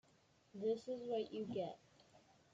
This Is What You Get.